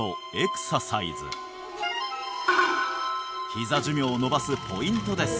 ひざ寿命を延ばすポイントです